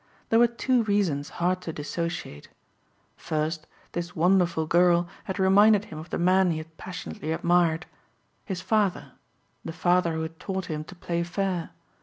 There were two reasons hard to dissociate. First, this wonderful girl had reminded him of the man he had passionately admired his father, the father who had taught him to play fair.